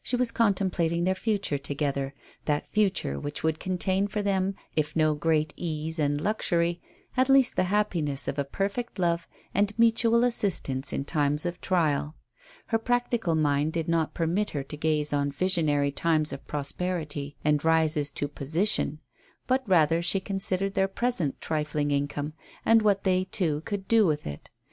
She was contemplating their future together, that future which would contain for them, if no great ease and luxury, at least the happiness of a perfect love and mutual assistance in times of trial. Her practical mind did not permit her to gaze on visionary times of prosperity and rises to position, but rather she considered their present trifling income, and what they two could do with it.